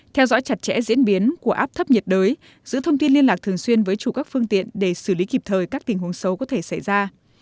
theo dõi chặt chẽ diễn biến của áp thấp nhiệt đới giữ thông tin liên lạc thường xuyên với chủ các phương tiện để xử lý kịp thời các tình huống xấu có thể xảy ra